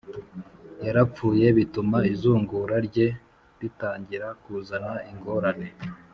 yarapfuye bituma izungura rye ritangira kuzana ingorane